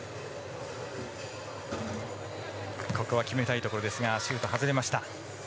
ここは決めたいところですがシュート外れました。